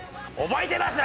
覚えてます。